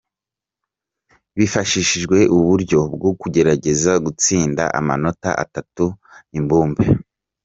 Bifashishije uburyo bwo kugerageza gutsinda amanota atatu imbumbe